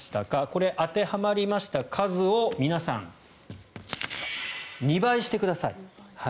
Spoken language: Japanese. これ、当てはまりました数を皆さん、２倍してください。